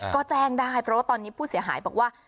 ก็แจ้งได้เพราะว่าตอนนี้ผู้เสียหายบอกว่า